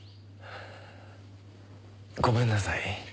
ごめんなさい。